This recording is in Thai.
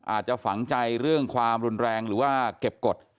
อาจจะฝังใจเรื่องความรุนแรงหรือว่าเก็บกฎ